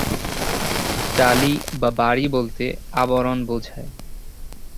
চালি বা বারি বলতে আবরণ বোঝায়।